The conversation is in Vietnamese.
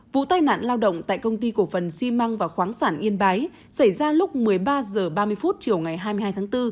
vụ tai nạn lao động tại công ty cổ phần xi măng và khoáng sản yên bái xảy ra lúc một mươi ba h ba mươi chiều ngày hai mươi hai tháng bốn